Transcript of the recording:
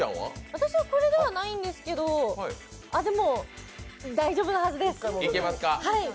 私はこれではないんですけどでも大丈夫なはずです。